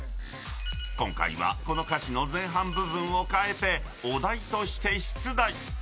今回はこの歌詞の前半部分を変えてお題として出題。